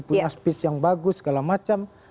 punya space yang bagus segala macam